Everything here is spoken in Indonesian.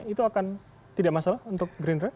itu akan tidak masalah untuk green red